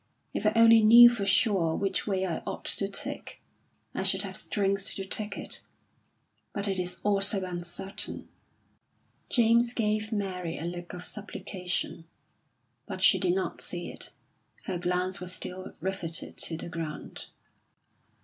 If I only knew for sure which way I ought to take, I should have strength to take it; but it is all so uncertain." James gave Mary a look of supplication, but she did not see it; her glance was still riveted to the ground.